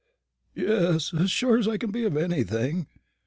"Yes, as sure as I can be of anything.